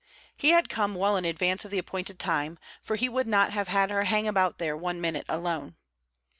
He had come well in advance of the appointed time, for he would not have had her hang about there one minute alone.